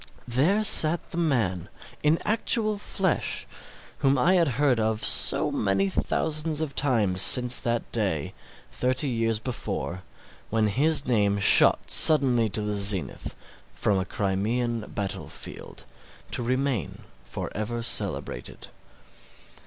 There sat the man, in actual flesh, whom I had heard of so many thousands of times since that day, thirty years before, when his name shot suddenly to the zenith from a Crimean battle field, to remain for ever celebrated.